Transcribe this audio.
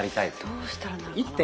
どうしたらなるのかな？